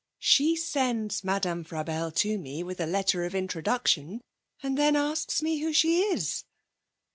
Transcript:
She sends Madame Frabelle to me with a letter of introduction, and then asks me who she is!'